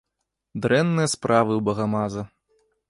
Дрэнныя справы ў багамаза.